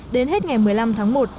đến hết ngày một mươi năm tháng một